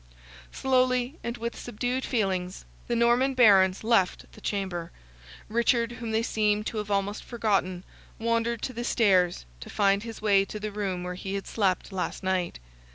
Slowly, and with subdued feelings, the Norman Barons left the chamber; Richard, whom they seemed to have almost forgotten, wandered to the stairs, to find his way to the room where he had slept last night.